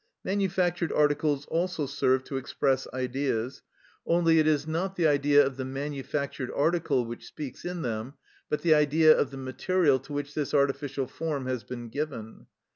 Manufactured articles also serve to express Ideas, only it is not the Idea of the manufactured article which speaks in them, but the Idea of the material to which this artificial form has been given.